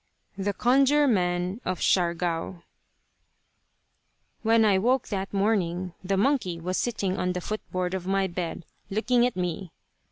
THE CONJURE MAN OF SIARGAO When I woke that morning, the monkey was sitting on the footboard of my bed, looking at me.